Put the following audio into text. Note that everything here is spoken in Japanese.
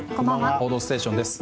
「報道ステーション」です。